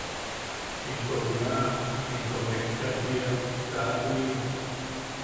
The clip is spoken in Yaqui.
Into juna’a into mekka tiia –Kaa tu’i.